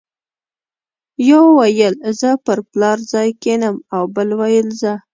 یو ویل زه پر پلار ځای کېنم او بل ویل زه.